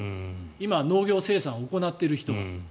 今、農業生産を行っている人は。